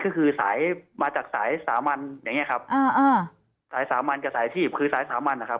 ก็คือสายมาจากสายสามัญอย่างเงี้ครับอ่าอ่าสายสามัญกับสายชีพคือสายสามัญนะครับ